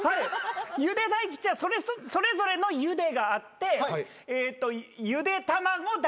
ゆで大吉はそれぞれのゆでがあってゆで卵大吉。